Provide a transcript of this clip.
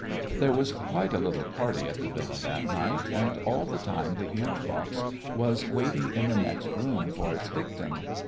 There was quite a little party at the Villa that night, and all the time the huge box was waiting in the next room for its victim.